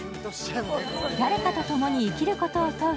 誰かとともに生きることを問う